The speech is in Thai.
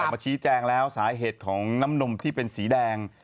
มาชี้แจงแล้วสาเหตุของน้ำนมที่เป็นสีแดง